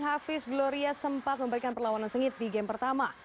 hafiz gloria sempat memberikan perlawanan sengit di game pertama